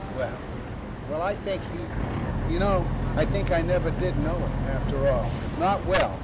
Well ... Well, I think he You know, I think I never did know him, after all. Not well.